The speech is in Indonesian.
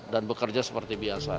dan bekerja seperti biasa